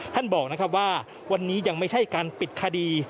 ท่านบอกนะครับว่าวันนี้ยังไม่ใช่การปิดคดี